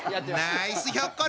ナイスひょっこり！